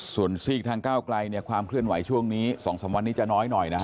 ส่วนซีกทางก้าวไกลเนี่ยความเคลื่อนไหวช่วงนี้๒๓วันนี้จะน้อยหน่อยนะฮะ